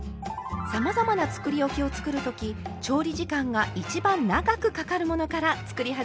さまざまなつくりおきを作るとき調理時間が一番長くかかるものから作り始めるといいですよ。